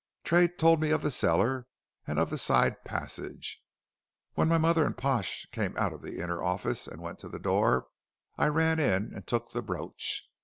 "Tray told me of the cellar and of the side passage. When my mother and Pash came out of the inner office and went to the door, I ran in and took the brooch.